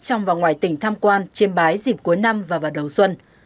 trong và ngoài tỉnh tham quan chiêm bái dịp cuối năm và vào đầu xuân